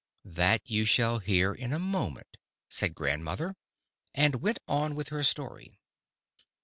"That you shall hear in a moment," said grandmother—and went on with her story.